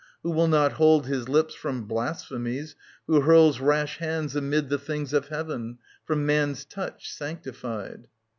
Who will not hold his lips from blasphemies, Who hurls rash hands amid the things of heaven From man's touch sanctified.